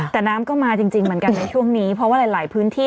แต่น้ำก็มาจริงเหมือนกันในช่วงนี้เพราะว่าหลายหลายพื้นที่